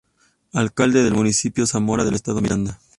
Alcalde del Municipio Zamora del Estado Miranda.